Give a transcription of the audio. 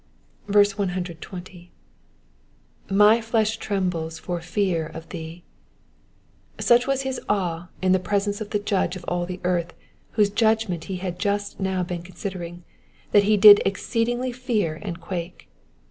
120. ^^My flesh trembleth for fear of thee,'*^ Such was his awe in the presence of th^ Judge of all the earth, whose judgment he had just now oeen considering, that he did exceedingly fear and quake.